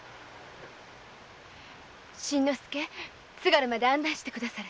新之助津軽まで案内してくだされ。